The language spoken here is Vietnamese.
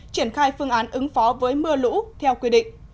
triển khai phương án ứng phó với mưa lũ theo quy định